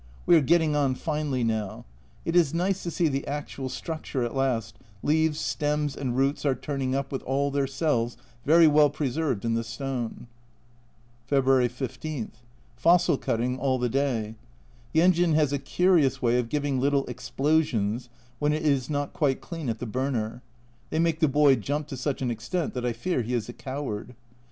We are getting on finely now ; it is nice to see the actual structure at last, leaves, stems, and roots are turning up with all their cells very well preserved in the stone. February 15. Fossil cutting all the day. The engine has a curious way of giving little explosions when it is not quite clean at the burner they make the boy jump to such an extent that I fear he is a coward.